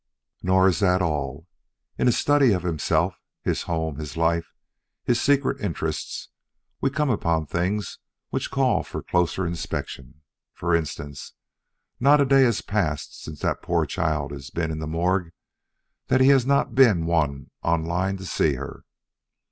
"Nor is that all. In a study of himself, his home, his life, his secret interests, we come upon things which call for closer inspection. For instance, not a day has passed since that poor child has been in the morgue that he has not been one on the line to see her.